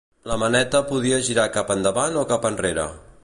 La maneta podia girar cap endavant o cap enrere.